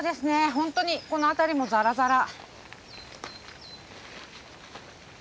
本当にこの辺りもザラザラ。